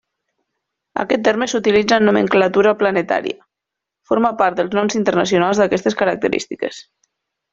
Aquest terme s'utilitza en la nomenclatura planetària: forma part dels noms internacionals d'aquestes característiques.